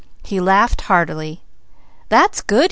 He laughed heartily. "That's good!"